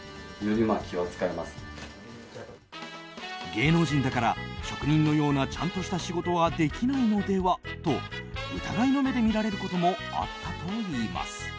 芸能人だから職人のようなちゃんとした仕事はできないのではと疑いの目で見られることもあったといいます。